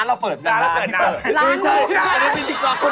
ร้านเราเพิ่ม